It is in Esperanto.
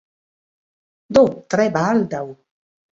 Do, tre baldaŭ